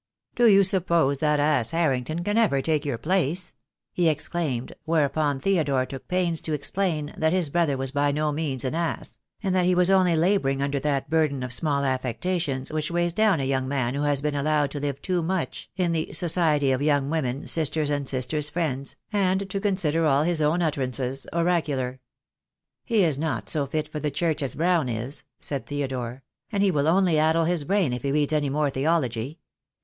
"Do you suppose that ass Harrington can ever take your place?" he exclaimed, whereupon Theodore took pains to explain that his brother was by no means an ass, and that he was only labouring under that burden of small affectations which weighs down a young man who has been allowed to live too much in the society of young women, sisters and sisters' friends, and to con sider all his own utterances oracular. "He is not so fit for the Church as Brown is," said Theodore, "and he will only addle his brains if he reads any more theology.